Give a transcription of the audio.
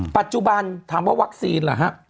ปัจจุบันทำว่าวัคซีนล่ะฮะ